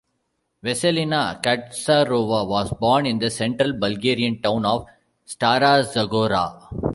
Vesselina Katsarova was born in the central Bulgarian town of Stara Zagora.